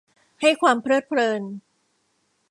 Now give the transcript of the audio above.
ให้ความเพลิดเพลิน